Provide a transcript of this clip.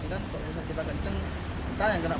dia maunya lima puluh ribu sedangkan jaraknya gak sesuai